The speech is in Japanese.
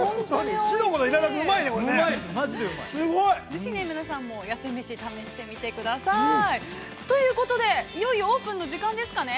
◆ぜひ皆さんも、痩せめし、試してください。ということで、いよいよオープンの時間ですかね。